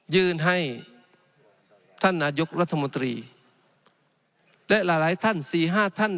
ยื่นให้ท่านนายกรัฐมนตรีและหลายหลายท่านสี่ห้าท่าน